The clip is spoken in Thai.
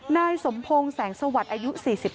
นายสมพงศ์แสงสวัสดิ์อายุ๔๓